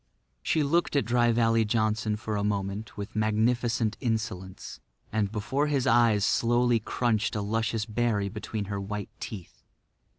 She looked at Dry Valley Johnson for a moment with magnificent insolence, and before his eyes slowly crunched a luscious berry between her white teeth.